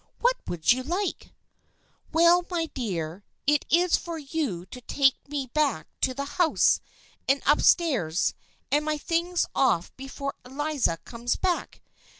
"What would you like?" " Why, my dear, it is for you to take me back to the house, and up stairs and my things off be fore Eliza comes back